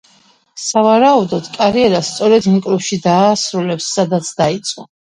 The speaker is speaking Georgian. სავარაუდოდ კარიერას სწორედ იმ კლუბში დაასრულებს, სადაც დაიწყო.